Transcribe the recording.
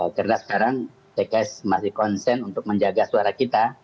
karena sekarang tks masih konsen untuk menjaga suara kita